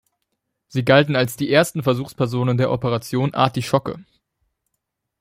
Sie galten als die ersten Versuchspersonen der Operation Artischocke.